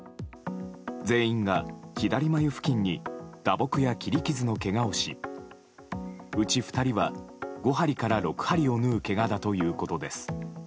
全員が左眉付近に打撲や切り傷のけがをしうち２人は、５針から６針を縫うけがだということです。